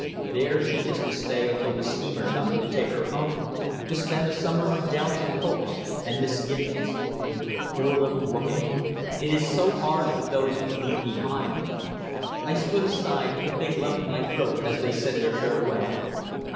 There she is to stay until the steamer comes to take her home, to spend a summer of doubts and hopes and misgivings. Poor little woman! It is so hard for those we leave behind. I stood aside with a big lump in my throat as they said their farewell."